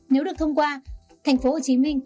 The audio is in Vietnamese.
nếu được thông qua tp hcm sẽ